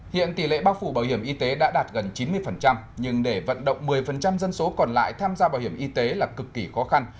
hiện tỷ lệ bao phủ bảo hiểm y tế đã đạt gần chín mươi nhưng để vận động một mươi dân số còn lại tham gia bảo hiểm y tế là cực kỳ khó khăn